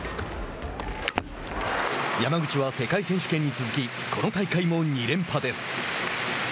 山口は世界選手権に続きこの大会も２連覇です。